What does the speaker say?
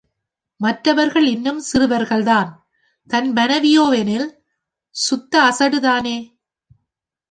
மற்றவர்கள் இன்னும் சிறுவர்கள் தான்.தன் மனைவியோ வெனில்...... சுத்த அசடுதானே!